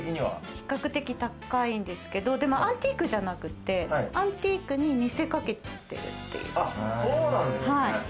比較的高いんですけどアンティークじゃなくてアンティークに似せかけてるっていう。